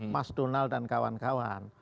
mas donald dan kawan kawan